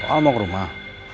al mau ke rumah